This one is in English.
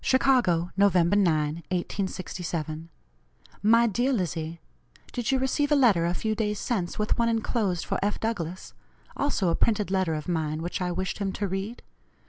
"CHICAGO, Nov. 9, 1867. "MY DEAR LIZZIE: Did you receive a letter a few days since, with one enclosed for F. Douglass? also a printed letter of mine, which I wished him to read?